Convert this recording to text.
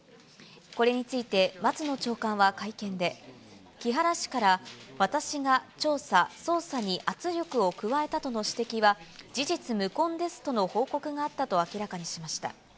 これについて、松野長官は会見で、木原氏から、私が調査・捜査に圧力を加えたとの指摘は事実無根ですとの報告があったと明らかにしました。